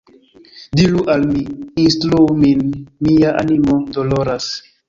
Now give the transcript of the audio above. Diru al mi, instruu min, mia animo doloras!